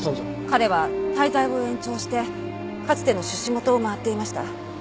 彼は滞在を延長してかつての出資元を回っていました。